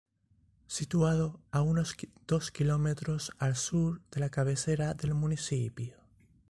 Situado a unos dos km al sur de la cabecera del municipio.